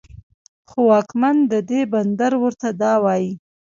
خو واکمن د دې بندر ورته دا وايي